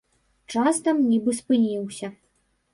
Час там нібы спыніўся.